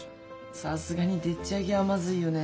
さすがにでっちあげはまずいよねえ。